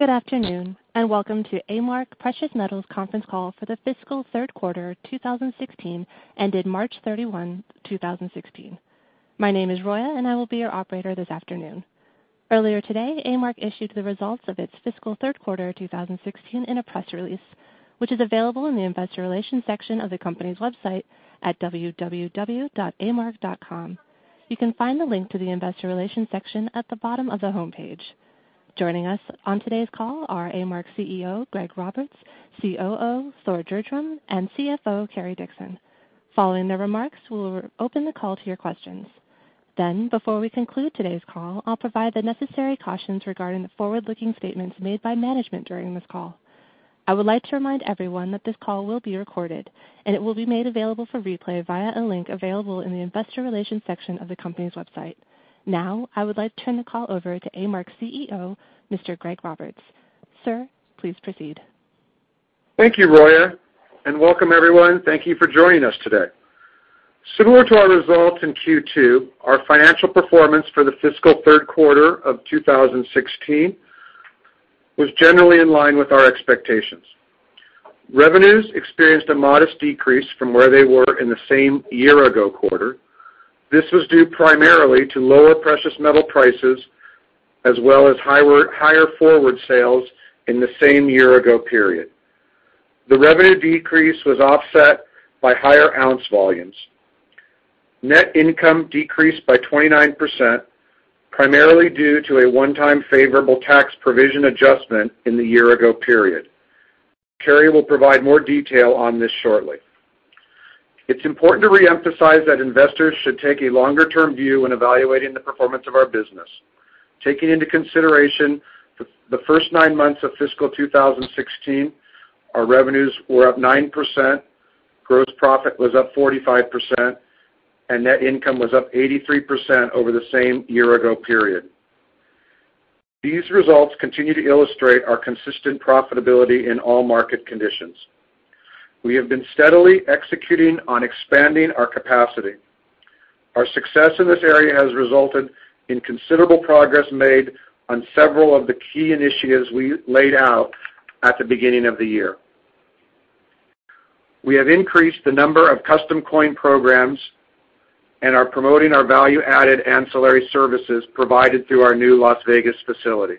Good afternoon, and welcome to A-Mark Precious Metals conference call for the fiscal third quarter 2016, ended March 31, 2016. My name is Roya, and I will be your operator this afternoon. Earlier today, A-Mark issued the results of its fiscal third quarter 2016 in a press release, which is available in the investor relations section of the company's website at www.amark.com. You can find the link to the investor relations section at the bottom of the homepage. Joining us on today's call are A-Mark CEO, Greg Roberts, COO, Thor Gjerdrum, and CFO, Cary Dickson. Following their remarks, we will open the call to your questions. Before we conclude today's call, I'll provide the necessary cautions regarding the forward-looking statements made by management during this call. I would like to remind everyone that this call will be recorded, and it will be made available for replay via a link available in the investor relations section of the company's website. I would like to turn the call over to A-Mark's CEO, Mr. Greg Roberts. Sir, please proceed. Thank you, Roya, and welcome everyone. Thank you for joining us today. Similar to our results in Q2, our financial performance for the fiscal third quarter of 2016 was generally in line with our expectations. Revenues experienced a modest decrease from where they were in the same year-ago quarter. This was due primarily to lower precious metal prices, as well as higher forward sales in the same year-ago period. The revenue decrease was offset by higher ounce volumes. Net income decreased by 29%, primarily due to a one-time favorable tax provision adjustment in the year-ago period. Cary will provide more detail on this shortly. It's important to reemphasize that investors should take a longer-term view when evaluating the performance of our business. Taking into consideration the first nine months of fiscal 2016, our revenues were up 9%, gross profit was up 45%, and net income was up 83% over the same year-ago period. These results continue to illustrate our consistent profitability in all market conditions. We have been steadily executing on expanding our capacity. Our success in this area has resulted in considerable progress made on several of the key initiatives we laid out at the beginning of the year. We have increased the number of custom coin programs and are promoting our value-added ancillary services provided through our new Las Vegas facility.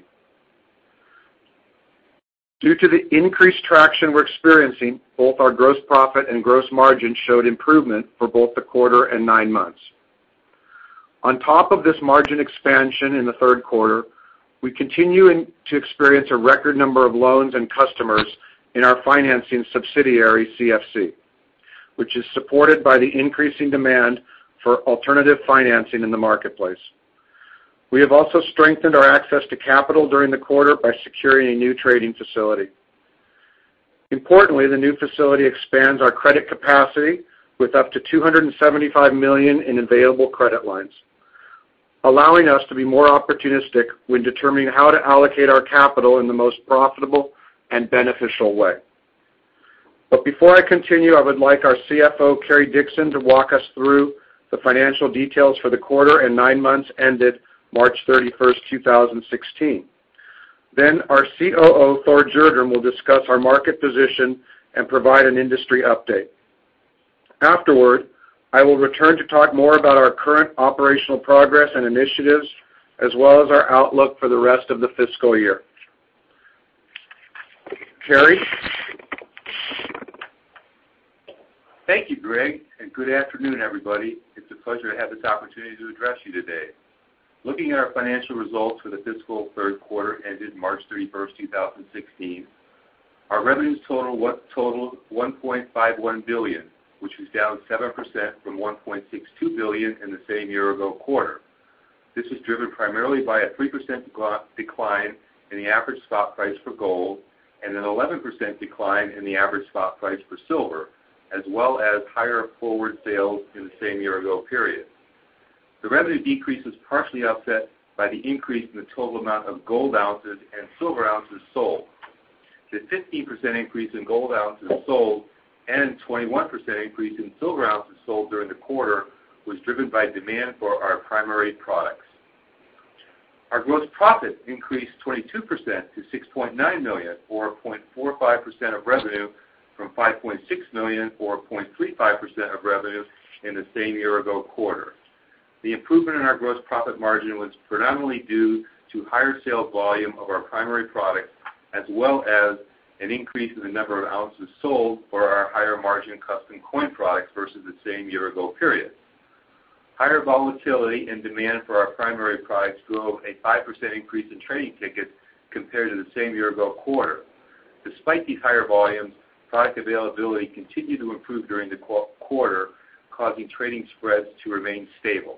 Due to the increased traction we're experiencing, both our gross profit and gross margin showed improvement for both the quarter and nine months. On top of this margin expansion in the third quarter, we continue to experience a record number of loans and customers in our financing subsidiary, CFC, which is supported by the increasing demand for alternative financing in the marketplace. We have also strengthened our access to capital during the quarter by securing a new trading facility. Importantly, the new facility expands our credit capacity with up to $275 million in available credit lines, allowing us to be more opportunistic when determining how to allocate our capital in the most profitable and beneficial way. Before I continue, I would like our CFO, Cary Dickson, to walk us through the financial details for the quarter and nine months ended March 31st, 2016. Our COO, Thor Gjerdrum, will discuss our market position and provide an industry update. Afterward, I will return to talk more about our current operational progress and initiatives, as well as our outlook for the rest of the fiscal year. Cary? Thank you, Greg, good afternoon, everybody. It's a pleasure to have this opportunity to address you today. Looking at our financial results for the fiscal third quarter ended March 31st, 2016, our revenues totaled $1.51 billion, which was down 7% from $1.62 billion in the same year-ago quarter. This was driven primarily by a 3% decline in the average spot price for gold and an 11% decline in the average spot price for silver, as well as higher forward sales in the same year-ago period. The revenue decrease was partially offset by the increase in the total amount of gold ounces and silver ounces sold. The 15% increase in gold ounces sold and 21% increase in silver ounces sold during the quarter was driven by demand for our primary products. Our gross profit increased 22% to $6.9 million, or 0.45% of revenue, from $5.6 million, or 0.35% of revenue, in the same year-ago quarter. The improvement in our gross profit margin was predominantly due to higher sales volume of our primary products, as well as an increase in the number of ounces sold for our higher-margin custom coin products versus the same year-ago period. Higher volatility and demand for our primary products drove a 5% increase in trading tickets compared to the same year-ago quarter. Despite these higher volumes, product availability continued to improve during the quarter, causing trading spreads to remain stable.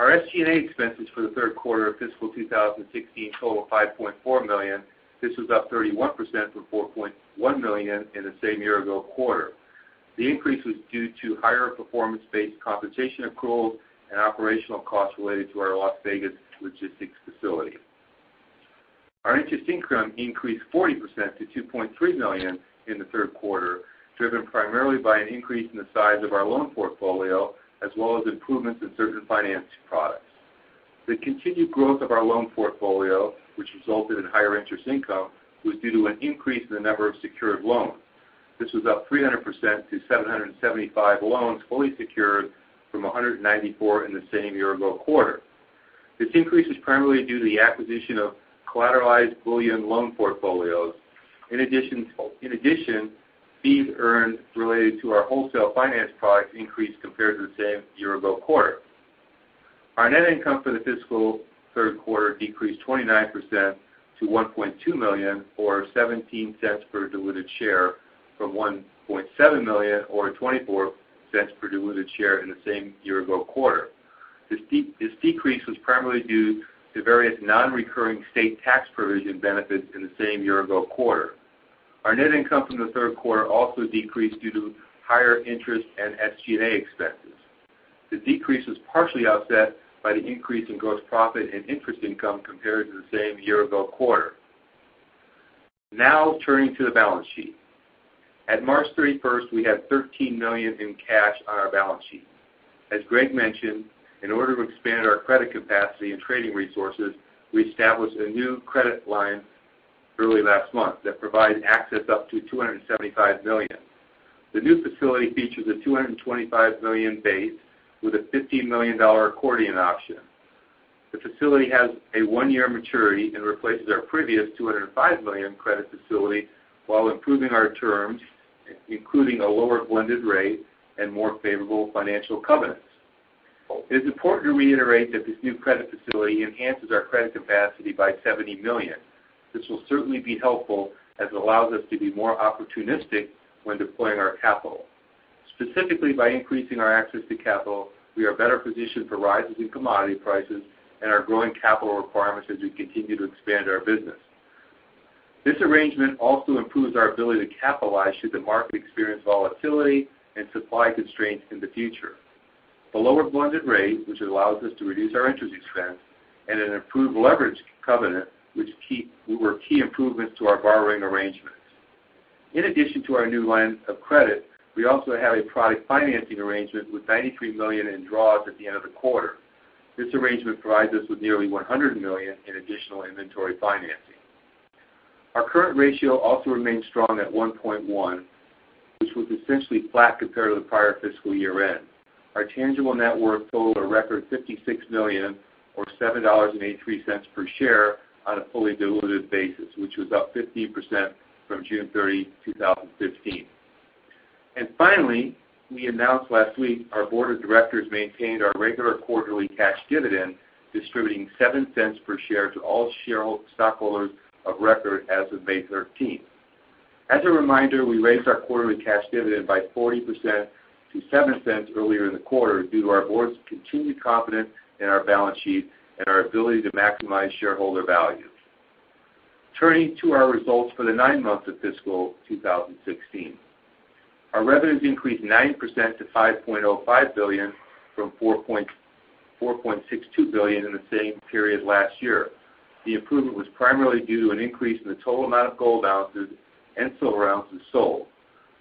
Our SG&A expenses for the third quarter of fiscal 2016 totaled $5.4 million. This was up 31% from $4.1 million in the same year-ago quarter. The increase was due to higher performance-based compensation accruals and operational costs related to our Las Vegas logistics facility. Our interest income increased 40% to $2.3 million in the third quarter, driven primarily by an increase in the size of our loan portfolio, as well as improvements in certain finance products. The continued growth of our loan portfolio, which resulted in higher interest income, was due to an increase in the number of secured loans. This was up 300% to 775 loans fully secured from 194 in the same year-ago quarter. This increase is primarily due to the acquisition of collateralized bullion loan portfolios. In addition, fees earned related to our wholesale finance products increased compared to the same year-ago quarter. Our net income for the fiscal third quarter decreased 29% to $1.2 million, or $0.17 per diluted share, from $1.7 million or $0.24 per diluted share in the same year-ago quarter. This decrease was primarily due to various non-recurring state tax provision benefits in the same year-ago quarter. Our net income from the third quarter also decreased due to higher interest and SG&A expenses. The decrease was partially offset by the increase in gross profit and interest income compared to the same year-ago quarter. Turning to the balance sheet. At March 31st, we had $13 million in cash on our balance sheet. As Greg mentioned, in order to expand our credit capacity and trading resources, we established a new credit line early last month that provides access up to $275 million. The new facility features a $225 million base with a $15 million accordion option. The facility has a one-year maturity and replaces our previous $205 million credit facility while improving our terms, including a lower blended rate and more favorable financial covenants. It's important to reiterate that this new credit facility enhances our credit capacity by $70 million. This will certainly be helpful as it allows us to be more opportunistic when deploying our capital. Specifically, by increasing our access to capital, we are better positioned for rises in commodity prices and our growing capital requirements as we continue to expand our business. This arrangement also improves our ability to capitalize should the market experience volatility and supply constraints in the future. A lower blended rate, which allows us to reduce our interest expense, and an improved leverage covenant were key improvements to our borrowing arrangements. In addition to our new line of credit, we also have a product financing arrangement with $93 million in draws at the end of the quarter. This arrangement provides us with nearly $100 million in additional inventory financing. Our current ratio also remains strong at 1.1, which was essentially flat compared to the prior fiscal year-end. Our tangible net worth totaled a record $56 million, or $7.83 per share on a fully diluted basis, which was up 15% from June 30, 2015. Finally, we announced last week our board of directors maintained our regular quarterly cash dividend, distributing $0.07 per share to all stockholders of record as of May 13th. As a reminder, we raised our quarterly cash dividend by 40% to $0.07 earlier in the quarter due to our board's continued confidence in our balance sheet and our ability to maximize shareholder value. Turning to our results for the nine months of fiscal 2016. Our revenues increased 9% to $5.05 billion from $4.62 billion in the same period last year. The improvement was primarily due to an increase in the total amount of gold ounces and silver ounces sold.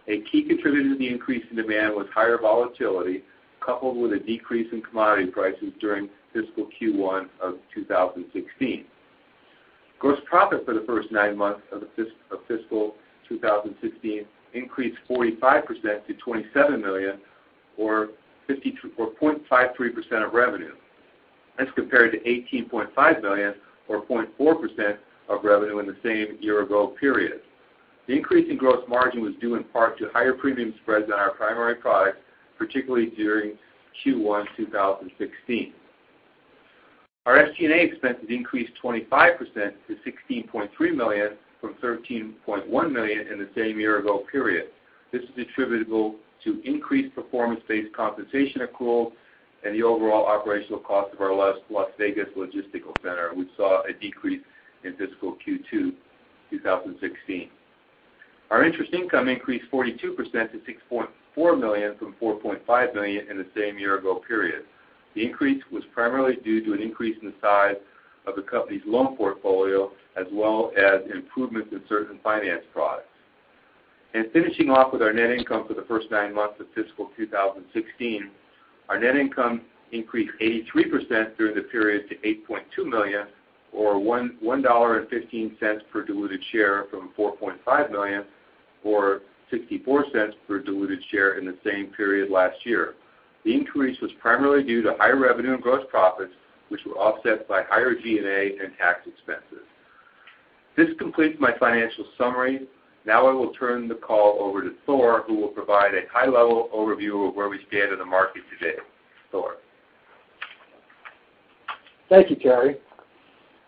A key contributor to the increase in demand was higher volatility, coupled with a decrease in commodity prices during fiscal Q1 of 2016. Gross profit for the first nine months of fiscal 2016 increased 45% to $27 million, or 0.53% of revenue. That's compared to $18.5 million or 0.4% of revenue in the same year-ago period. The increase in gross margin was due in part to higher premium spreads on our primary products, particularly during Q1 2016. Our SG&A expenses increased 25% to $16.3 million from $13.1 million in the same year-ago period. This is attributable to increased performance-based compensation accruals and the overall operational cost of our Las Vegas logistical center, we saw a decrease in fiscal Q2 2016. Our interest income increased 42% to $6.4 million from $4.5 million in the same year-ago period. The increase was primarily due to an increase in the size of the company's loan portfolio, as well as improvements in certain finance products. Finishing off with our net income for the first nine months of fiscal 2016, our net income increased 83% through the period to $8.2 million or $1.15 per diluted share from $4.5 million or $0.64 per diluted share in the same period last year. The increase was primarily due to higher revenue and gross profits, which were offset by higher G&A and tax expenses. This completes my financial summary. Now I will turn the call over to Thor, who will provide a high-level overview of where we stand in the market today. Thor? Thank you, Cary.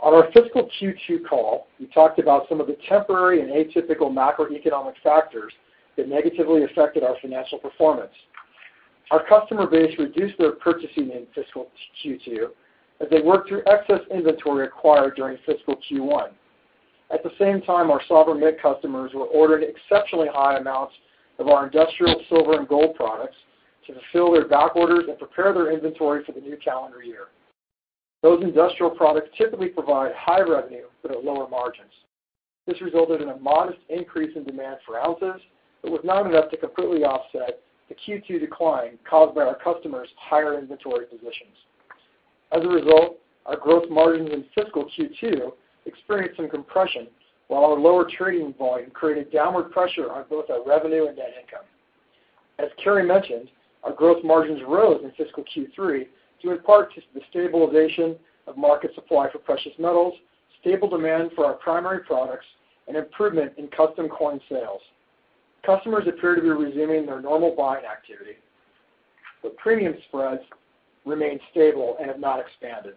On our fiscal Q2 call, we talked about some of the temporary and atypical macroeconomic factors that negatively affected our financial performance. Our customer base reduced their purchasing in fiscal Q2 as they worked through excess inventory acquired during fiscal Q1. At the same time, our sovereign mint customers were ordered exceptionally high amounts of our industrial silver and gold products to fulfill their backorders and prepare their inventory for the new calendar year. Those industrial products typically provide high revenue but at lower margins. This resulted in a modest increase in demand for ounces, but was not enough to completely offset the Q2 decline caused by our customers' higher inventory positions. As a result, our gross margins in fiscal Q2 experienced some compression, while our lower trading volume created downward pressure on both our revenue and net income. As Cary mentioned, our gross margins rose in fiscal Q3, due in part to the stabilization of market supply for precious metals, stable demand for our primary products, and improvement in custom coin sales. Customers appear to be resuming their normal buying activity, but premium spreads remain stable and have not expanded.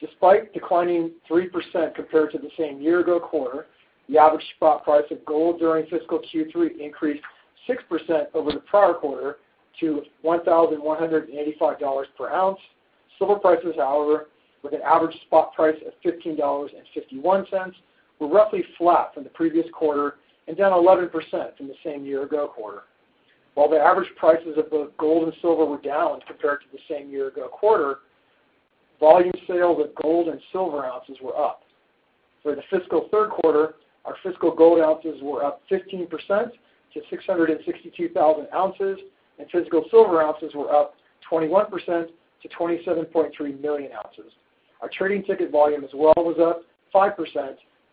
Despite declining 3% compared to the same year-ago quarter, the average spot price of gold during fiscal Q3 increased 6% over the prior quarter to $1,185 per ounce. Silver prices, however, with an average spot price of $15.51, were roughly flat from the previous quarter and down 11% from the same year-ago quarter. While the average prices of both gold and silver were down compared to the same year-ago quarter, volume sales of gold and silver ounces were up. For the fiscal third quarter, our physical gold ounces were up 15% to 662,000 ounces, and physical silver ounces were up 21% to 27.3 million ounces. Our trading ticket volume as well was up 5%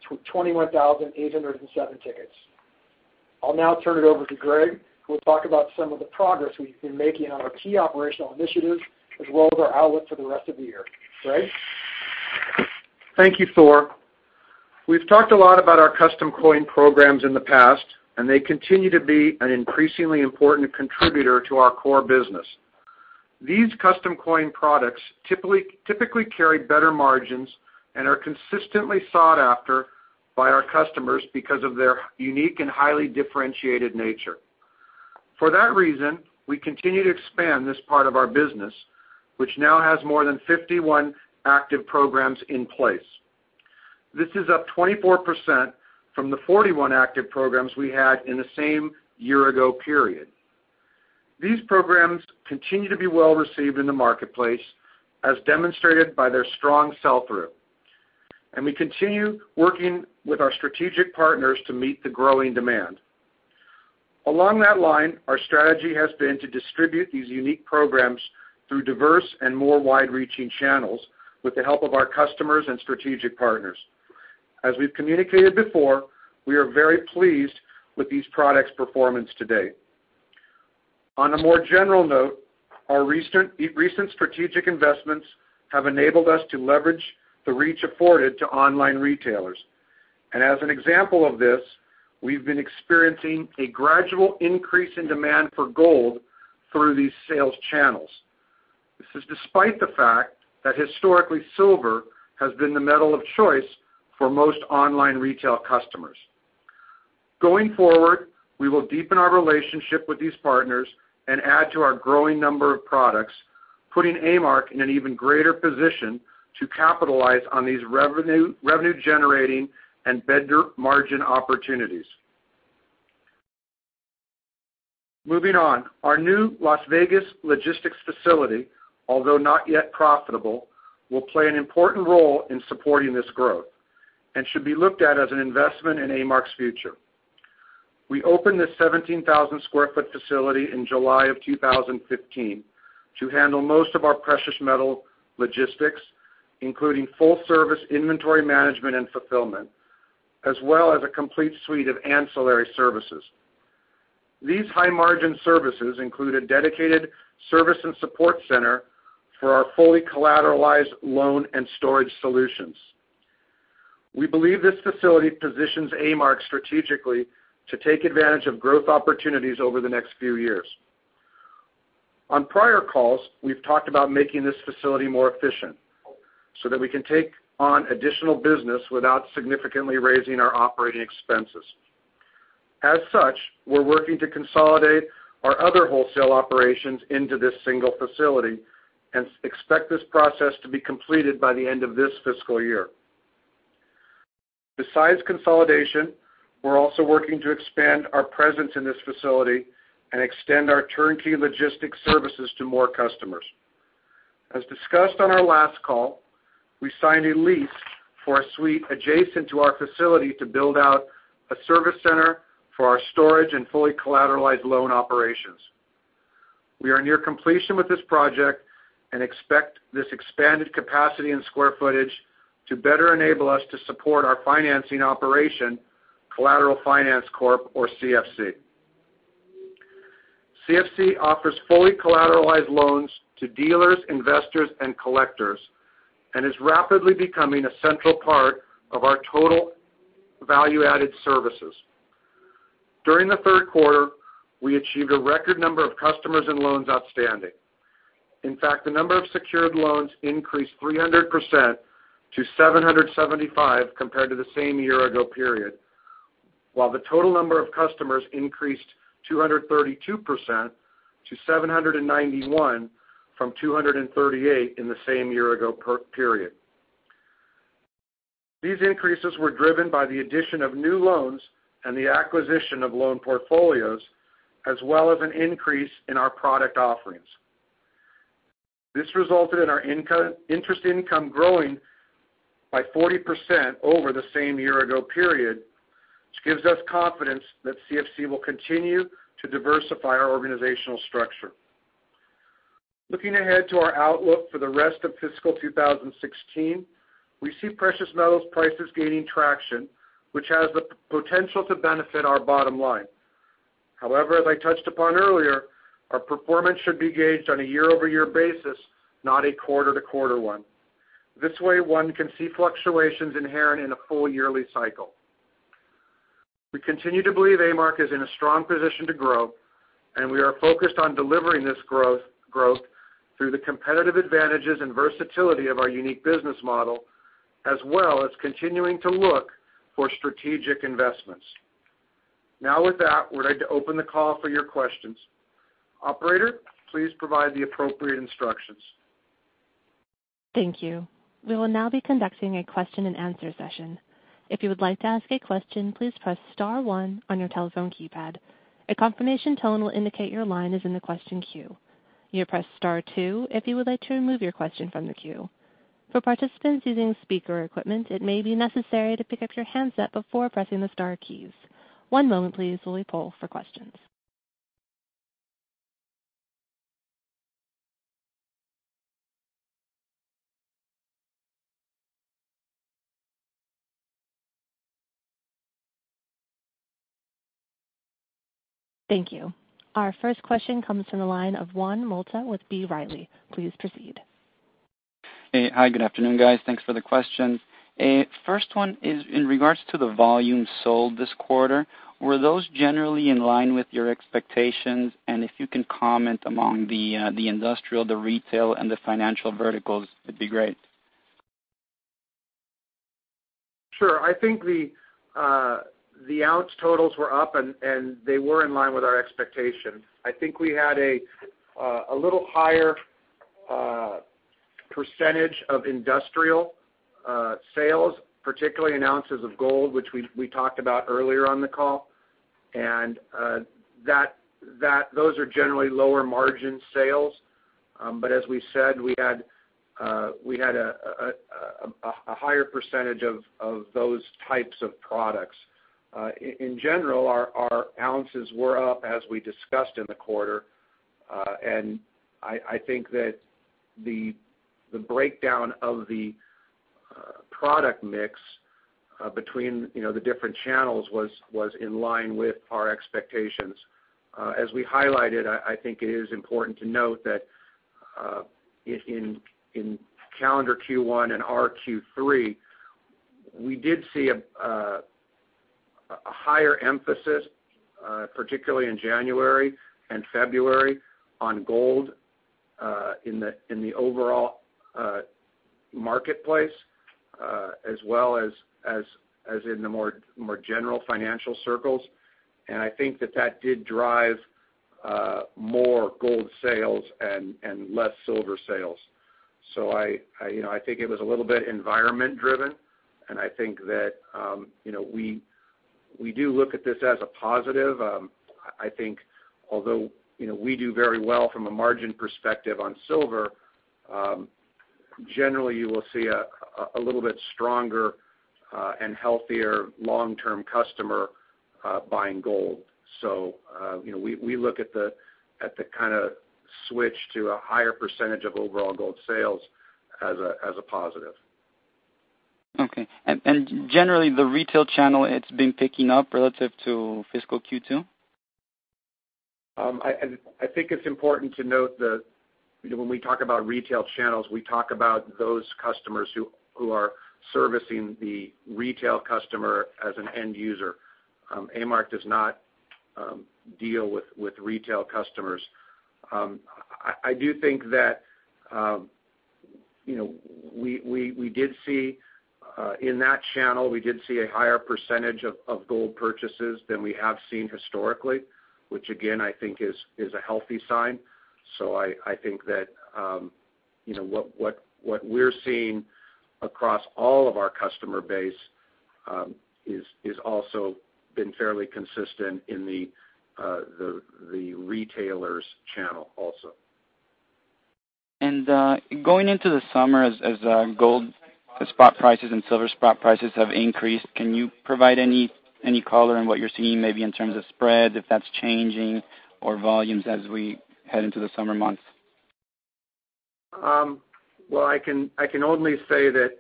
to 21,807 tickets. I'll now turn it over to Greg, who will talk about some of the progress we've been making on our key operational initiatives, as well as our outlook for the rest of the year. Greg? Thank you, Thor. We've talked a lot about our custom coin programs in the past. They continue to be an increasingly important contributor to our core business. These custom coin products typically carry better margins and are consistently sought after by our customers because of their unique and highly differentiated nature. For that reason, we continue to expand this part of our business, which now has more than 51 active programs in place. This is up 24% from the 41 active programs we had in the same year-ago period. These programs continue to be well-received in the marketplace, as demonstrated by their strong sell-through. We continue working with our strategic partners to meet the growing demand. Along that line, our strategy has been to distribute these unique programs through diverse and more wide-reaching channels with the help of our customers and strategic partners. As we've communicated before, we are very pleased with these products' performance to date. On a more general note, our recent strategic investments have enabled us to leverage the reach afforded to online retailers. As an example of this, we've been experiencing a gradual increase in demand for gold through these sales channels. This is despite the fact that historically silver has been the metal of choice for most online retail customers. Going forward, we will deepen our relationship with these partners and add to our growing number of products, putting A-Mark in an even greater position to capitalize on these revenue-generating and better margin opportunities. Moving on. Our new Las Vegas logistics facility, although not yet profitable, will play an important role in supporting this growth and should be looked at as an investment in A-Mark's future. We opened this 17,000 sq ft facility in July of 2015 to handle most of our precious metal logistics, including full-service inventory management and fulfillment, as well as a complete suite of ancillary services. These high-margin services include a dedicated service and support center for our fully collateralized loan and storage solutions. We believe this facility positions A-Mark strategically to take advantage of growth opportunities over the next few years. On prior calls, we've talked about making this facility more efficient so that we can take on additional business without significantly raising our operating expenses. As such, we're working to consolidate our other wholesale operations into this single facility and expect this process to be completed by the end of this fiscal year. Besides consolidation, we're also working to expand our presence in this facility and extend our turnkey logistics services to more customers. As discussed on our last call, we signed a lease for a suite adjacent to our facility to build out a service center for our storage and fully collateralized loan operations. We are near completion with this project and expect this expanded capacity and square footage to better enable us to support our financing operation, Collateral Finance Corp, or CFC. CFC offers fully collateralized loans to dealers, investors, and collectors and is rapidly becoming a central part of our total value-added services. During the third quarter, we achieved a record number of customers and loans outstanding. In fact, the number of secured loans increased 300% to 775 compared to the same year-ago period, while the total number of customers increased 232% to 791 from 238 in the same year-ago period. These increases were driven by the addition of new loans and the acquisition of loan portfolios, as well as an increase in our product offerings. This resulted in our interest income growing by 40% over the same year-ago period, which gives us confidence that CFC will continue to diversify our organizational structure. Looking ahead to our outlook for the rest of fiscal 2016, we see precious metals prices gaining traction, which has the potential to benefit our bottom line. However, as I touched upon earlier, our performance should be gauged on a year-over-year basis, not a quarter-to-quarter one. This way, one can see fluctuations inherent in a full yearly cycle. We continue to believe A-Mark is in a strong position to grow, we are focused on delivering this growth through the competitive advantages and versatility of our unique business model, as well as continuing to look for strategic investments. With that, we're ready to open the call for your questions. Operator, please provide the appropriate instructions. Thank you. We will now be conducting a question and answer session. If you would like to ask a question, please press *1 on your telephone keypad. A confirmation tone will indicate your line is in the question queue. You press *2 if you would like to remove your question from the queue. For participants using speaker equipment, it may be necessary to pick up your handset before pressing the star keys. One moment please while we poll for questions. Thank you. Our first question comes from the line of Juan Molta with B. Riley. Please proceed. Hey. Hi, good afternoon, guys. Thanks for the questions. First one is in regards to the volume sold this quarter. Were those generally in line with your expectations, and if you can comment among the industrial, the retail, and the financial verticals, it'd be great. Sure. I think the ounce totals were up, and they were in line with our expectations. I think we had a little higher percentage of industrial sales, particularly in ounces of gold, which we talked about earlier on the call, and those are generally lower margin sales. As we said, we had a higher percentage of those types of products. In general, our ounces were up as we discussed in the quarter. I think that the breakdown of the product mix between the different channels was in line with our expectations. As we highlighted, I think it is important to note that in calendar Q1 and our Q3, we did see a higher emphasis, particularly in January and February, on gold in the overall marketplace as well as in the more general financial circles. I think that that did drive more gold sales and less silver sales. I think it was a little bit environment driven, and I think that we do look at this as a positive. I think although we do very well from a margin perspective on silver, generally you will see a little bit stronger and healthier long-term customer buying gold. We look at the switch to a higher percentage of overall gold sales as a positive. Okay. Generally, the retail channel, it's been picking up relative to fiscal Q2? I think it's important to note that when we talk about retail channels, we talk about those customers who are servicing the retail customer as an end user. A-Mark does not deal with retail customers. I do think that in that channel, we did see a higher percentage of gold purchases than we have seen historically, which again, I think is a healthy sign. I think that what we're seeing across all of our customer base has also been fairly consistent in the retailers channel also. Going into the summer as gold spot prices and silver spot prices have increased, can you provide any color on what you're seeing maybe in terms of spread, if that's changing, or volumes as we head into the summer months? Well, I can only say that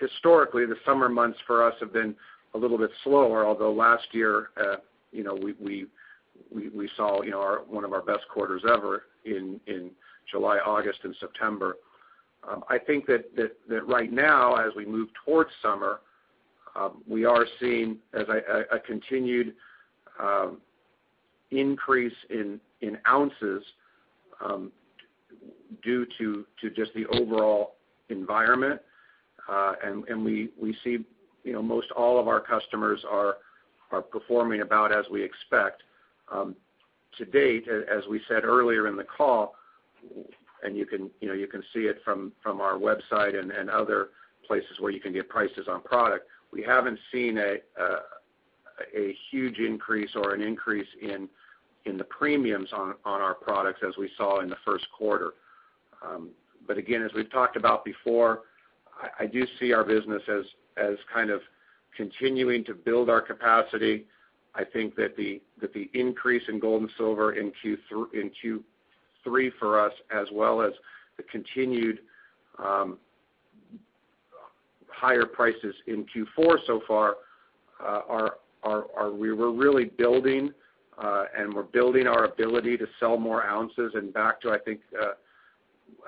historically, the summer months for us have been a little bit slower, although last year, we saw one of our best quarters ever in July, August, and September. I think that right now, as we move towards summer, we are seeing a continued increase in ounces due to just the overall environment. We see most all of our customers are performing about as we expect. To date, as we said earlier in the call, and you can see it from our website and other places where you can get prices on product, we haven't seen a a huge increase or an increase in the premiums on our products as we saw in the first quarter. Again, as we've talked about before, I do see our business as continuing to build our capacity. I think that the increase in gold and silver in Q3 for us, as well as the continued higher prices in Q4 so far, we were really building, and we're building our ability to sell more ounces. Back to, I think,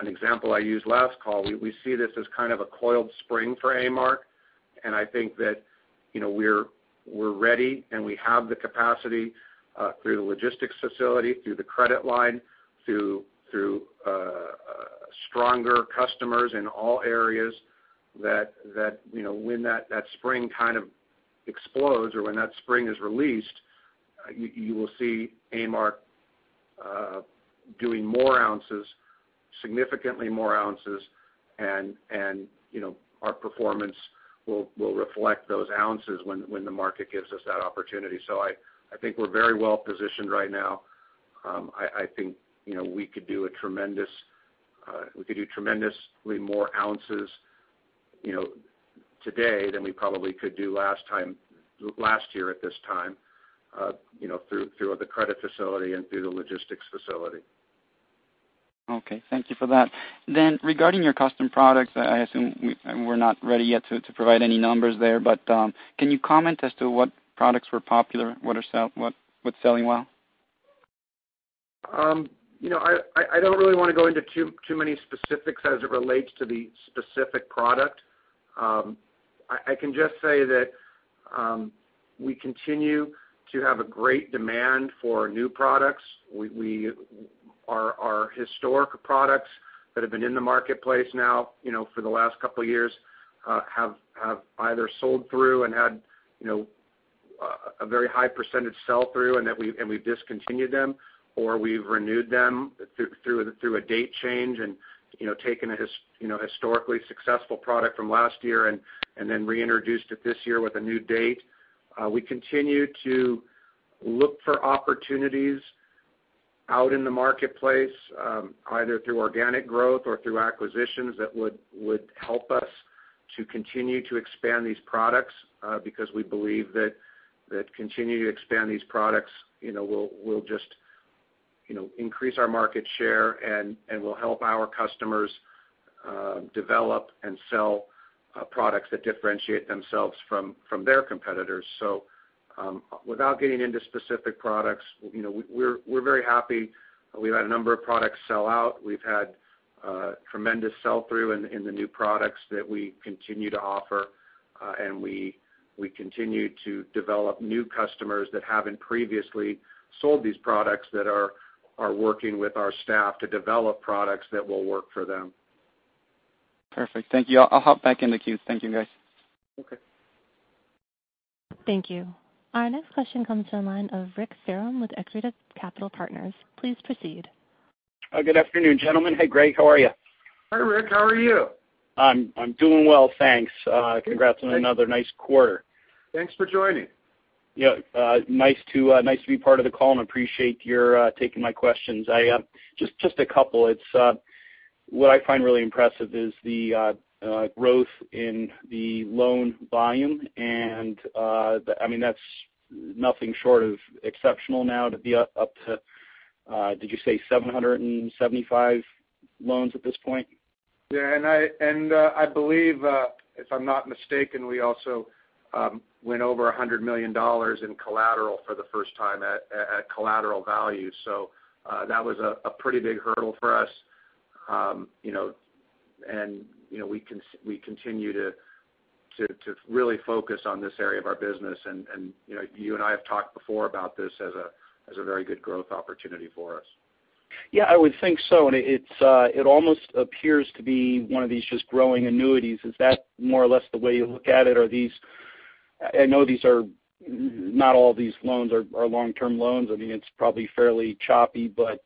an example I used last call, we see this as a coiled spring for A-Mark, and I think that we're ready, and we have the capacity, through the logistics facility, through the credit line, through stronger customers in all areas, that when that spring kind of explodes or when that spring is released, you will see A-Mark doing more ounces, significantly more ounces, and our performance will reflect those ounces when the market gives us that opportunity. I think we're very well-positioned right now. I think we could do tremendously more ounces today than we probably could do last year at this time through the credit facility and through the logistics facility. Okay. Thank you for that. Regarding your custom products, I assume we're not ready yet to provide any numbers there, but can you comment as to what products were popular? What's selling well? I don't really want to go into too many specifics as it relates to the specific product. I can just say that we continue to have a great demand for new products. Our historic products that have been in the marketplace now for the last couple of years have either sold through and had a very high percentage sell-through, and we've discontinued them, or we've renewed them through a date change and taken a historically successful product from last year and then reintroduced it this year with a new date. We continue to look for opportunities out in the marketplace, either through organic growth or through acquisitions that would help us to continue to expand these products, we believe that continuing to expand these products will just increase our market share and will help our customers develop and sell products that differentiate themselves from their competitors. Without getting into specific products, we're very happy. We've had a number of products sell-out. We've had tremendous sell-through in the new products that we continue to offer, and we continue to develop new customers that haven't previously sold these products that are working with our staff to develop products that will work for them. Perfect. Thank you. I'll hop back in the queue. Thank you, guys. Okay. Thank you. Our next question comes to the line of Rick Ferum with Xareda Capital Partners. Please proceed. Good afternoon, gentlemen. Hey, Greg, how are you? Hi, Rick. How are you? I'm doing well, thanks. Congrats on another nice quarter. Thanks for joining. Yeah. Nice to be part of the call and appreciate your taking my questions. Just a couple. What I find really impressive is the growth in the loan volume, that's nothing short of exceptional now to be up to, did you say 775 loans at this point? Yeah. I believe, if I'm not mistaken, we also went over $100 million in collateral for the first time at collateral value. That was a pretty big hurdle for us. We continue to really focus on this area of our business, and you and I have talked before about this as a very good growth opportunity for us. Yeah, I would think so. It almost appears to be one of these just growing annuities. Is that more or less the way you look at it? I know not all of these loans are long-term loans. It's probably fairly choppy, but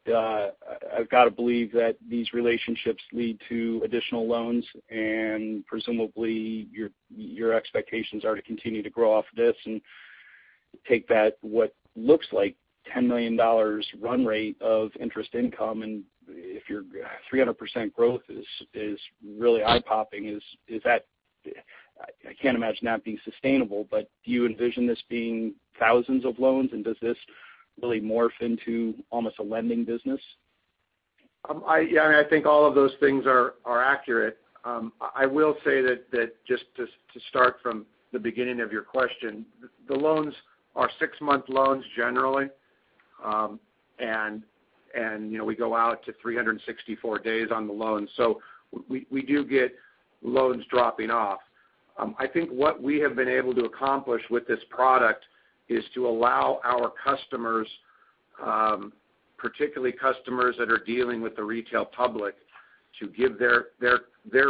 I've got to believe that these relationships lead to additional loans, and presumably, your expectations are to continue to grow off this and take that, what looks like $10 million run rate of interest income. If your 300% growth is really eye-popping, I can't imagine that being sustainable, but do you envision this being thousands of loans, and does this really morph into almost a lending business? Yeah, I think all of those things are accurate. I will say that just to start from the beginning of your question, the loans are six-month loans generally. We go out to 364 days on the loan. We do get loans dropping off. I think what we have been able to accomplish with this product is to allow our customers, particularly customers that are dealing with the retail public, to give their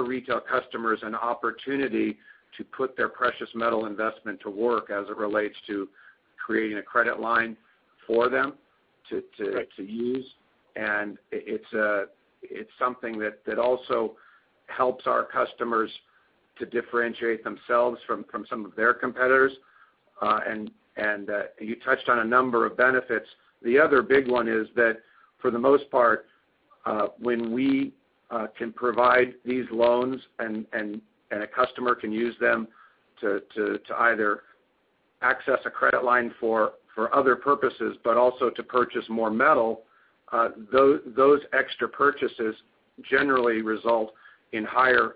retail customers an opportunity to put their precious metal investment to work as it relates to creating a credit line for them to use. It's something that also helps our customers to differentiate themselves from some of their competitors. You touched on a number of benefits. The other big one is that for the most part, when we can provide these loans and a customer can use them to either access a credit line for other purposes, but also to purchase more metal, those extra purchases generally result in higher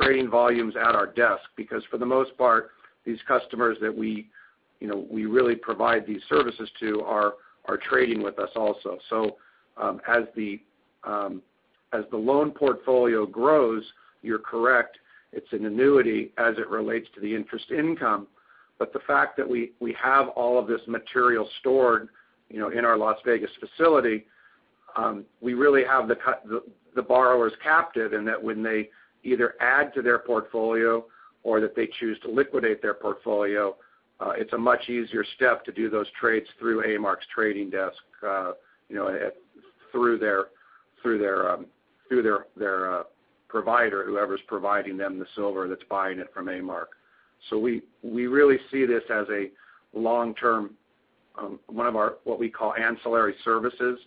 trading volumes at our desk, because for the most part, these customers that we really provide these services to are trading with us also. As the loan portfolio grows, you're correct, it's an annuity as it relates to the interest income. The fact that we have all of this material stored in our Las Vegas facility, we really have the borrowers captive in that when they either add to their portfolio or that they choose to liquidate their portfolio, it's a much easier step to do those trades through A-Mark's trading desk through their provider, whoever's providing them the silver that's buying it from A-Mark. We really see this as a long-term, one of our, what we call ancillary services,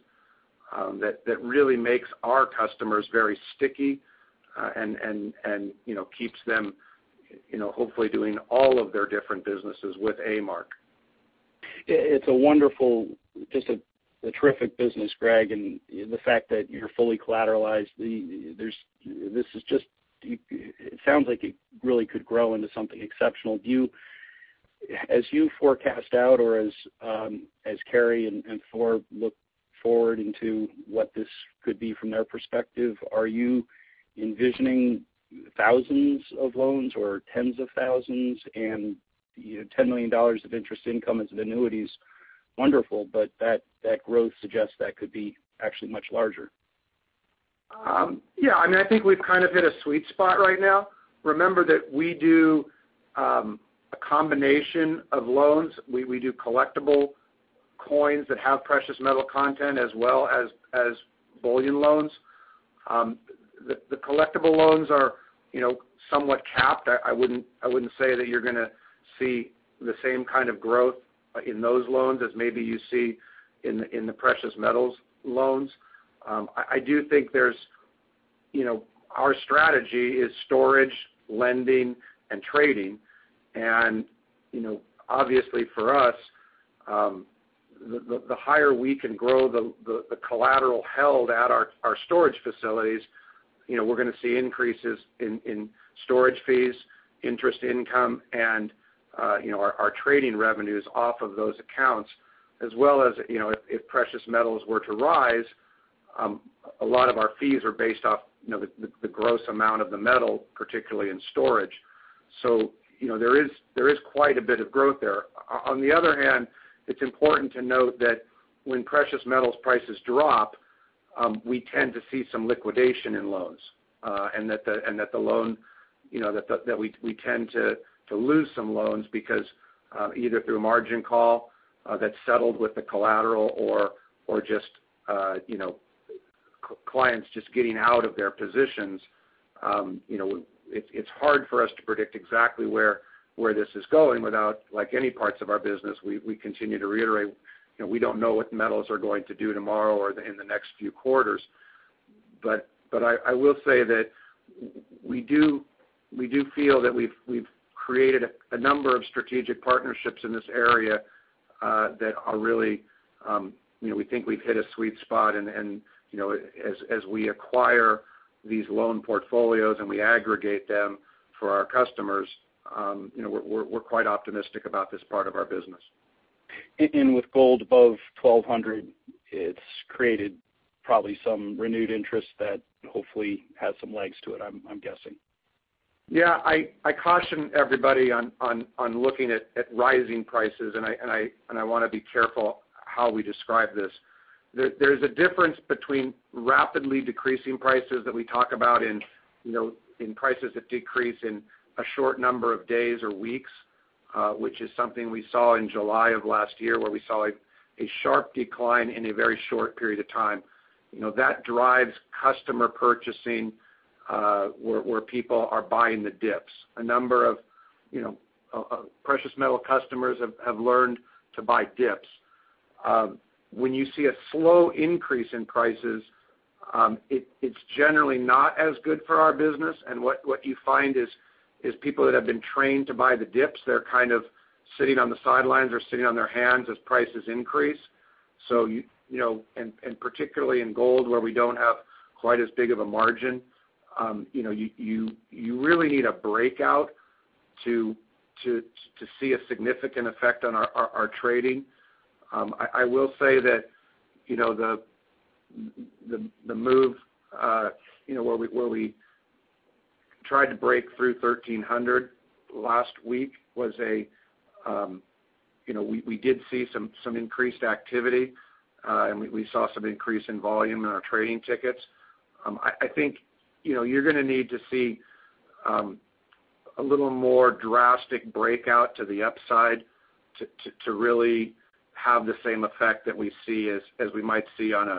that really makes our customers very sticky and keeps them hopefully doing all of their different businesses with A-Mark. It's a wonderful, just a terrific business, Greg, and the fact that you're fully collateralized, it sounds like it really could grow into something exceptional. As you forecast out or as Cary and Thor look forward into what this could be from their perspective, are you envisioning thousands of loans or tens of thousands and $10 million of interest income as an annuity is wonderful, but that growth suggests that could be actually much larger. Yeah. I think we've kind of hit a sweet spot right now. Remember that we do a combination of loans. We do collectible coins that have precious metal content as well as bullion loans. The collectible loans are somewhat capped. I wouldn't say that you're going to see the same kind of growth in those loans as maybe you see in the precious metals loans. I do think our strategy is storage, lending, and trading. Obviously for us, the higher we can grow the collateral held at our storage facilities, we're going to see increases in storage fees, interest income, and our trading revenues off of those accounts, as well as if precious metals were to rise, a lot of our fees are based off the gross amount of the metal, particularly in storage. There is quite a bit of growth there. On the other hand, it's important to note that when precious metals prices drop, we tend to see some liquidation in loans. That we tend to lose some loans because either through a margin call that's settled with the collateral or just clients just getting out of their positions. It's hard for us to predict exactly where this is going without any parts of our business. We continue to reiterate, we don't know what metals are going to do tomorrow or in the next few quarters. I will say that we do feel that we've created a number of strategic partnerships in this area that are really, we think we've hit a sweet spot and as we acquire these loan portfolios and we aggregate them for our customers, we're quite optimistic about this part of our business. With gold above $1,200, it's created probably some renewed interest that hopefully has some legs to it, I'm guessing. Yeah, I caution everybody on looking at rising prices, and I want to be careful how we describe this. There's a difference between rapidly decreasing prices that we talk about in prices that decrease in a short number of days or weeks, which is something we saw in July of last year where we saw a sharp decline in a very short period of time. That drives customer purchasing where people are buying the dips. A number of precious metal customers have learned to buy dips. When you see a slow increase in prices, it's generally not as good for our business, and what you find is people that have been trained to buy the dips, they're kind of sitting on the sidelines or sitting on their hands as prices increase. Particularly in gold where we don't have quite as big of a margin, you really need a breakout to see a significant effect on our trading. I will say that the move where we tried to break through $1,300 last week, we did see some increased activity, and we saw some increase in volume in our trading tickets. I think you're going to need to see a little more drastic breakout to the upside to really have the same effect that we see as we might see on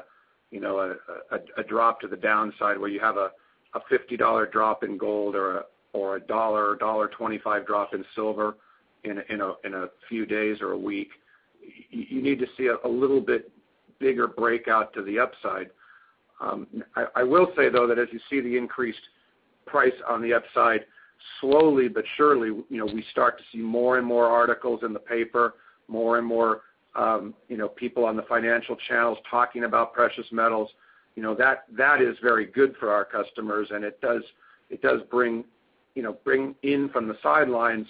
a drop to the downside where you have a $50 drop in gold or a $1, $1.25 drop in silver in a few days or a week. You need to see a little bit bigger breakout to the upside. I will say, though, that as you see the increased price on the upside, slowly but surely, we start to see more and more articles in the paper, more and more people on the financial channels talking about precious metals. That is very good for our customers, and it does bring in from the sidelines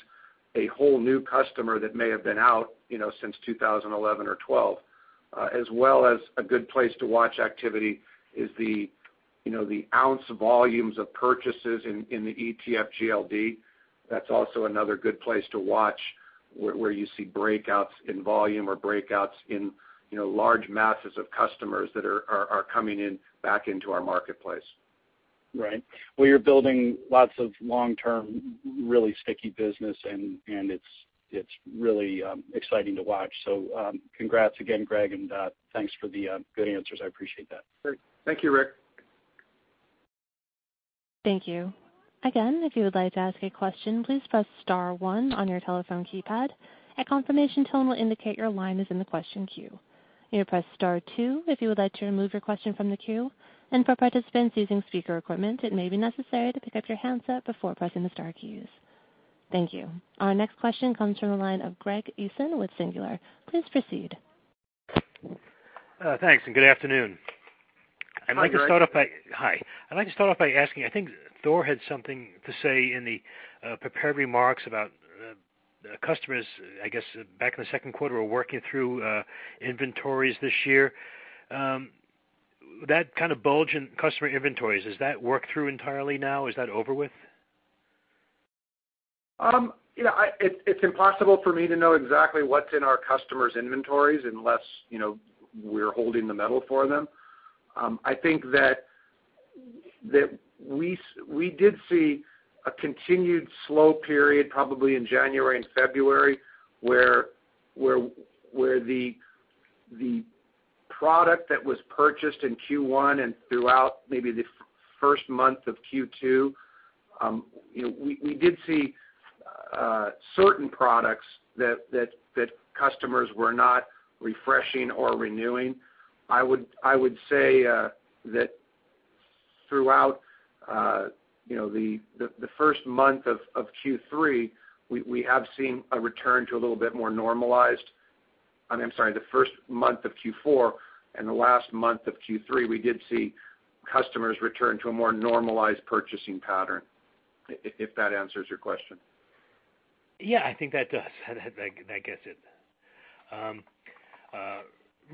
a whole new customer that may have been out since 2011 or 2012, as well as a good place to watch activity is the ounce volumes of purchases in the ETF GLD. That's also another good place to watch where you see breakouts in volume or breakouts in large masses of customers that are coming back into our marketplace. Right. Well, you're building lots of long-term, really sticky business, and it's really exciting to watch. Congrats again, Greg, and thanks for the good answers. I appreciate that. Great. Thank you, Rick. Thank you. Again, if you would like to ask a question, please press *1 on your telephone keypad. A confirmation tone will indicate your line is in the question queue. You may press *2 if you would like to remove your question from the queue. For participants using speaker equipment, it may be necessary to pick up your handset before pressing the star keys. Thank you. Our next question comes from the line of Greg Eason with Singular. Please proceed. Thanks, good afternoon. Hi, Greg. Hi. I'd like to start off by asking, I think Thor had something to say in the prepared remarks about customers, I guess, back in the second quarter, were working through inventories this year. That kind of bulge in customer inventories, has that worked through entirely now? Is that over with? It's impossible for me to know exactly what's in our customers' inventories unless we're holding the metal for them. I think that we did see a continued slow period probably in January and February, where the product that was purchased in Q1 and throughout maybe the first month of Q2, we did see certain products that customers were not refreshing or renewing. I would say that throughout the first month of Q3, we have seen a return to a little bit more normalized I'm sorry, the first month of Q4 and the last month of Q3, we did see customers return to a more normalized purchasing pattern, if that answers your question. Yeah, I think that does. That gets it.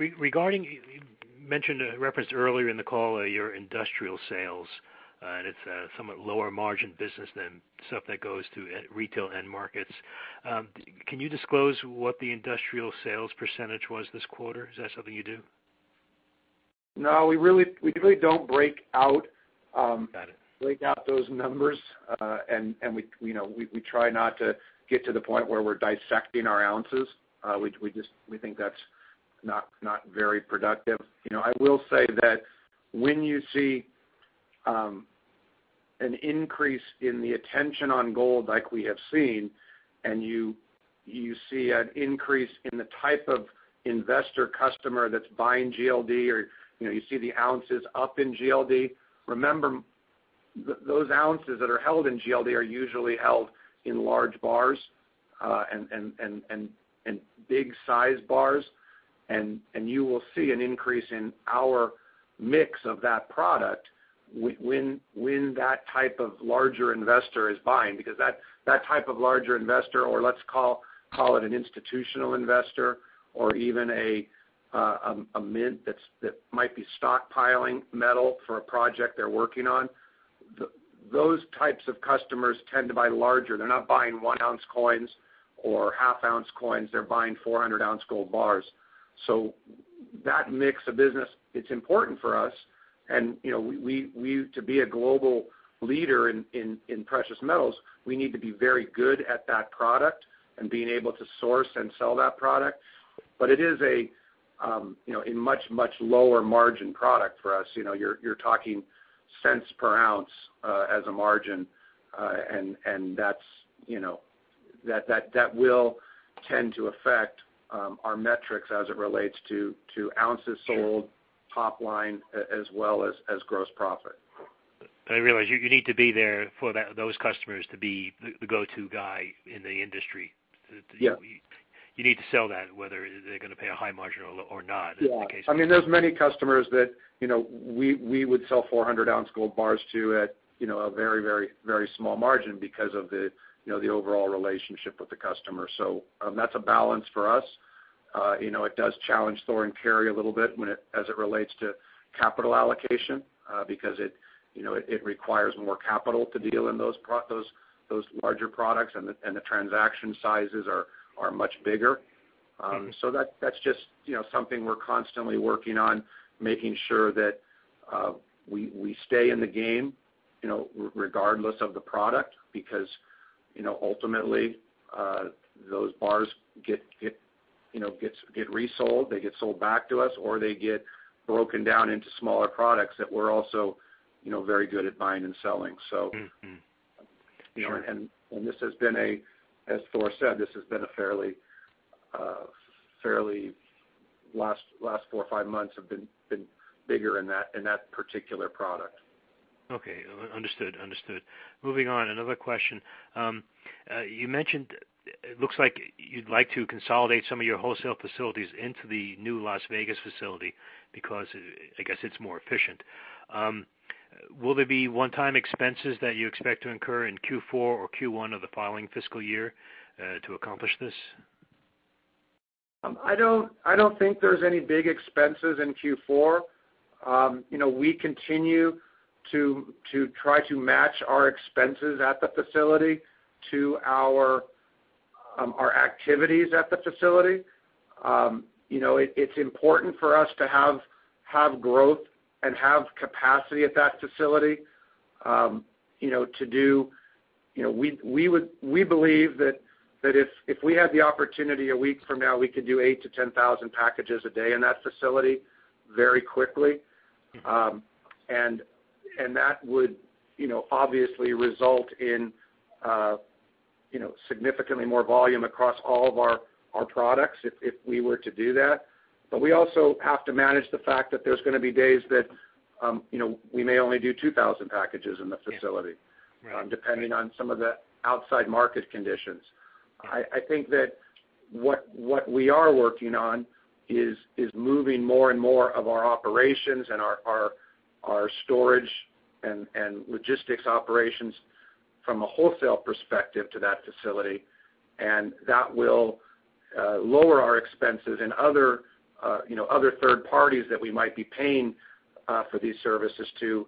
You mentioned, referenced earlier in the call, your industrial sales, it's a somewhat lower margin business than stuff that goes to retail end markets. Can you disclose what the industrial sales % was this quarter? Is that something you do? No, we really don't break out. Got it. Break out those numbers. We try not to get to the point where we're dissecting our ounces. We think that's not very productive. I will say that when you see an increase in the attention on gold like we have seen, you see an increase in the type of investor customer that's buying GLD, or you see the ounces up in GLD, remember, those ounces that are held in GLD are usually held in large bars and big size bars. You will see an increase in our mix of that product when that type of larger investor is buying because that type of larger investor, let's call it an institutional investor or even a mint that might be stockpiling metal for a project they're working on, those types of customers tend to buy larger. They're not buying one ounce coins or half ounce coins. They're buying 400 ounce gold bars. That mix of business, it's important for us. To be a global leader in precious metals, we need to be very good at that product and being able to source and sell that product. It is a much, much lower margin product for us. You're talking cents per ounce as a margin. That will tend to affect our metrics as it relates to ounces sold- Sure top line, as well as gross profit. I realize you need to be there for those customers to be the go-to guy in the industry. Yeah. You need to sell that, whether they're going to pay a high margin or not, as the case may be. Yeah. There's many customers that we would sell 400 ounce gold bars to at a very, very small margin because of the overall relationship with the customer. That's a balance for us. It does challenge Thor and Cary a little bit as it relates to capital allocation because it requires more capital to deal in those larger products, and the transaction sizes are much bigger. That's just something we're constantly working on, making sure that we stay in the game regardless of the product, because ultimately those bars get resold, they get sold back to us, or they get broken down into smaller products that we're also very good at buying and selling. This has been a, as Thor said, last four or five months have been bigger in that particular product. Okay. Understood. Moving on, another question. You mentioned it looks like you'd like to consolidate some of your wholesale facilities into the new Las Vegas facility because, I guess, it's more efficient. Will there be one-time expenses that you expect to incur in Q4 or Q1 of the following fiscal year to accomplish this? I don't think there's any big expenses in Q4. We continue to try to match our expenses at the facility to our activities at the facility. It's important for us to have growth and have capacity at that facility. We believe that if we had the opportunity a week from now, we could do 8,000 to 10,000 packages a day in that facility very quickly. That would obviously result in significantly more volume across all of our products if we were to do that. We also have to manage the fact that there's going to be days that we may only do 2,000 packages in the facility. Right depending on some of the outside market conditions. Yeah. I think that what we are working on is moving more and more of our operations and our storage and logistics operations from a wholesale perspective to that facility, and that will lower our expenses and other third parties that we might be paying for these services to.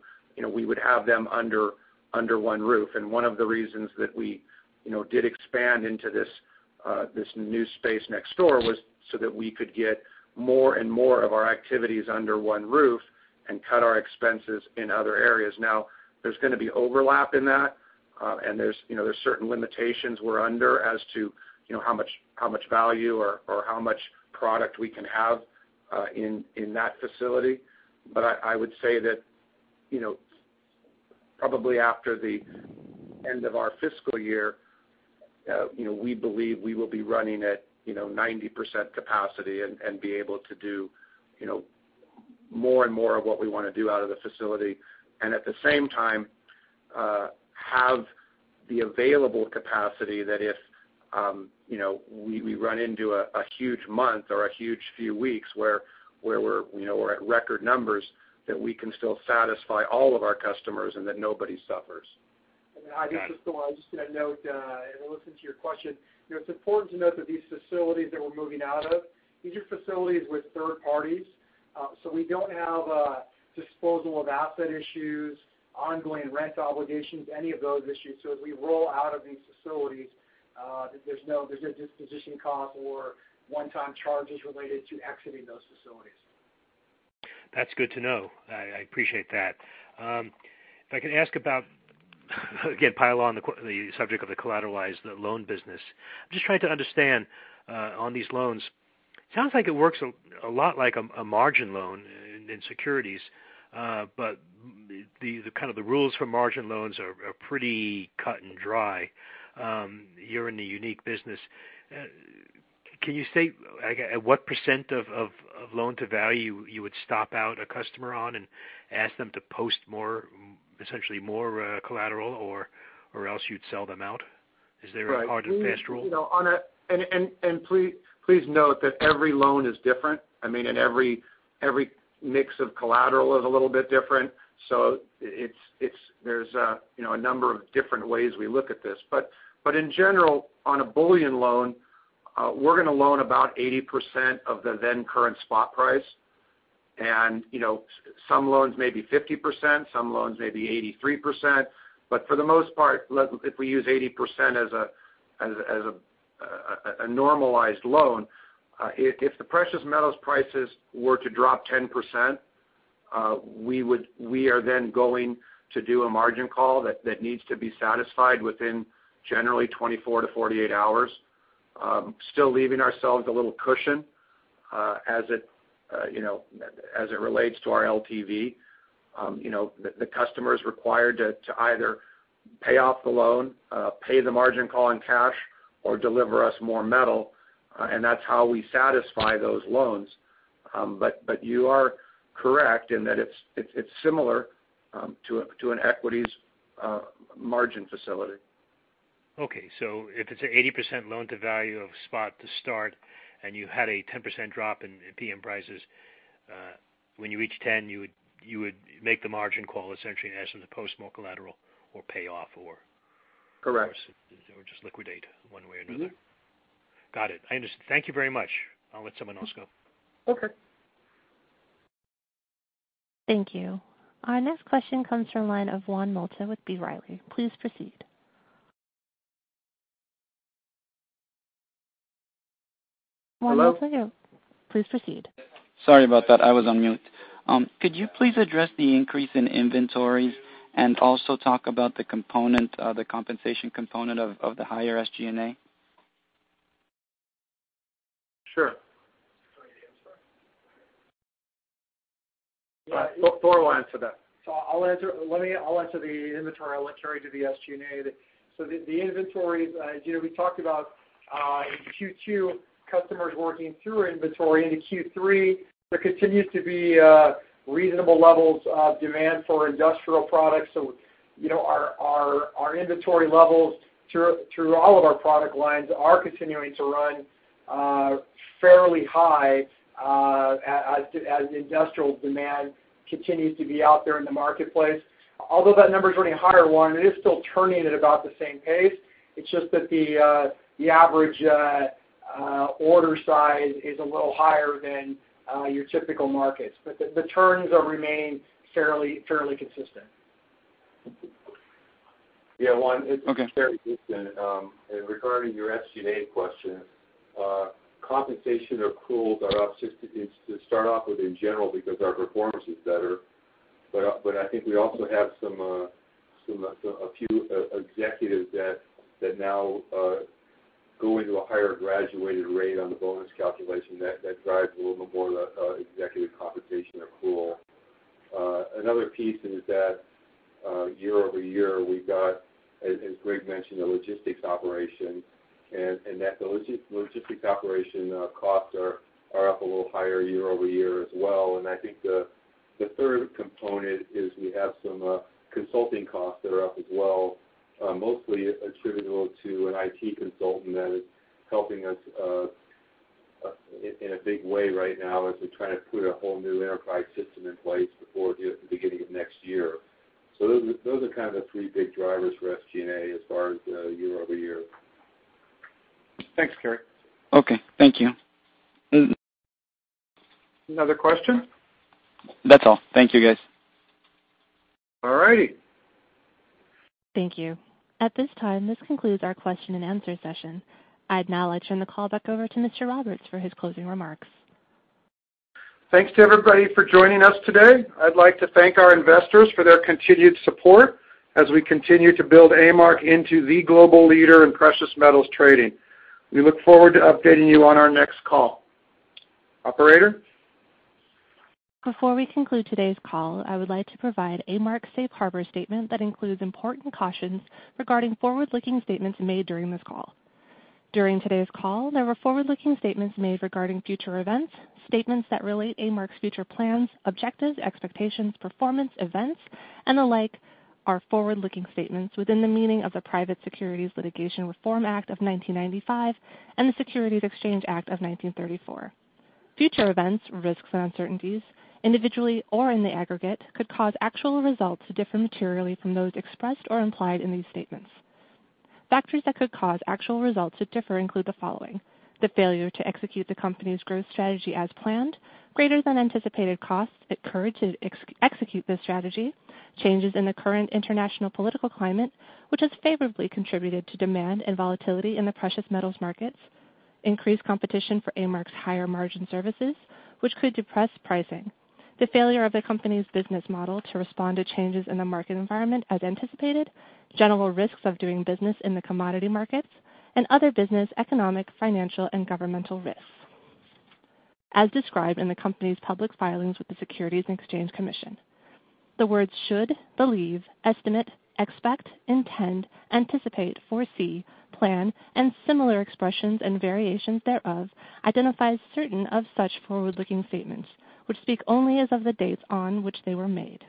We would have them under one roof. One of the reasons that we did expand into this new space next door was so that we could get more and more of our activities under one roof and cut our expenses in other areas. There's going to be overlap in that, there's certain limitations we're under as to how much value or how much product we can have in that facility. I would say that probably after the end of our fiscal year, we believe we will be running at 90% capacity and be able to do more and more of what we want to do out of the facility, and at the same time, have the available capacity that if we run into a huge month or a huge few weeks where we're at record numbers, that we can still satisfy all of our customers and that nobody suffers. Okay. Just to add a note as I listen to your question, it's important to note that these facilities that we're moving out of, these are facilities with third parties. We don't have disposal of asset issues, ongoing rent obligations, any of those issues. As we roll out of these facilities, there's no disposition cost or one-time charges related to exiting those facilities. That's good to know. I appreciate that. If I could ask about again, pile on the subject of the collateralized loan business. I'm just trying to understand, on these loans, it sounds like it works a lot like a margin loan in securities. The kind of the rules for margin loans are pretty cut and dry. You're in a unique business. Can you state at what % of loan-to-value you would stop out a customer on and ask them to post essentially more collateral, or else you'd sell them out? Is there a hard and fast rule? Right. Please note that every loan is different. Every mix of collateral is a little bit different. There's a number of different ways we look at this. In general, on a bullion loan, we're going to loan about 80% of the then current spot price. Some loans may be 50%, some loans may be 83%, but for the most part, if we use 80% as a normalized loan, if the precious metals prices were to drop 10%, we are then going to do a margin call that needs to be satisfied within generally 24 to 48 hours, still leaving ourselves a little cushion as it relates to our LTV. The customer's required to either pay off the loan, pay the margin call in cash, or deliver us more metal, and that's how we satisfy those loans. You are correct in that it's similar to an equities margin facility. Okay. If it's an 80% loan to value of spot to start and you had a 10% drop in PM prices, when you reach 10, you would make the margin call, essentially, and ask them to post more collateral or pay off. Correct Just liquidate one way or another. Got it. I understand. Thank you very much. I'll let someone else go. Okay. Thank you. Our next question comes from the line of Juan Molta with B. Riley. Please proceed. Juan Molta. Hello? Please proceed. Sorry about that. I was on mute. Could you please address the increase in inventories and also talk about the compensation component of the higher SG&A? Sure. Thor will answer that. I'll answer the inventory. I'll let Cary to the SG&A. The inventories, we talked about in Q2, customers working through our inventory. Into Q3, there continues to be reasonable levels of demand for industrial products. Our inventory levels through all of our product lines are continuing to run fairly high as industrial demand continues to be out there in the marketplace. Although that number's running higher, Juan, it is still turning at about the same pace. It's just that the average order size is a little higher than your typical markets. The turns are remaining fairly consistent. Okay. Yeah, Juan, it's fairly consistent. Regarding your SG&A question, compensation accruals are up, to start off with, in general, because our performance is better. I think we also have a few executives that now go into a higher graduated rate on the bonus calculation that drives a little bit more of the executive compensation accrual. Another piece is that, year-over-year, we've got, as Greg mentioned, a logistics operation, and that logistics operation costs are up a little higher year-over-year as well. I think the third component is we have some consulting costs that are up as well. Mostly attributable to an IT consultant that is helping us in a big way right now as we try to put a whole new enterprise system in place before the beginning of next year. Those are kind of the three big drivers for SG&A as far as year-over-year. Thanks, Cary. Okay. Thank you. Another question? That's all. Thank you, guys. All righty. Thank you. At this time, this concludes our question and answer session. I'd now like to turn the call back over to Mr. Roberts for his closing remarks. Thanks to everybody for joining us today. I'd like to thank our investors for their continued support as we continue to build A-Mark into the global leader in precious metals trading. We look forward to updating you on our next call. Operator? Before we conclude today's call, I would like to provide A-Mark's safe harbor statement that includes important cautions regarding forward-looking statements made during this call. During today's call, there were forward-looking statements made regarding future events. Statements that relate A-Mark's future plans, objectives, expectations, performance, events, and the like are forward-looking statements within the meaning of the Private Securities Litigation Reform Act of 1995 and the Securities Exchange Act of 1934. Future events, risks, and uncertainties, individually or in the aggregate, could cause actual results to differ materially from those expressed or implied in these statements. Factors that could cause actual results to differ include the following. The failure to execute the company's growth strategy as planned, greater than anticipated costs incurred to execute this strategy, changes in the current international political climate, which has favorably contributed to demand and volatility in the precious metals markets, increased competition for A-Mark's higher margin services, which could depress pricing, the failure of the company's business model to respond to changes in the market environment as anticipated, general risks of doing business in the commodity markets, and other business, economic, financial, and governmental risks as described in the company's public filings with the Securities and Exchange Commission. The words should, believe, estimate, expect, intend, anticipate, foresee, plan, and similar expressions and variations thereof identifies certain of such forward-looking statements, which speak only as of the dates on which they were made.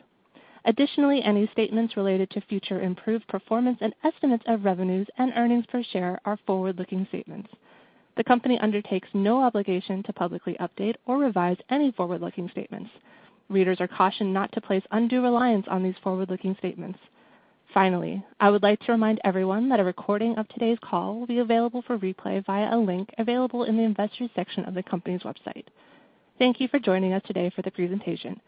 Additionally, any statements related to future improved performance and estimates of revenues and earnings per share are forward-looking statements. The company undertakes no obligation to publicly update or revise any forward-looking statements. Readers are cautioned not to place undue reliance on these forward-looking statements. Finally, I would like to remind everyone that a recording of today's call will be available for replay via a link available in the Investors section of the company's website. Thank you for joining us today for the presentation.